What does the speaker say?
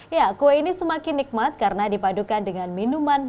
ya kue ini semakin nikmat karena dipadukan dengan minuman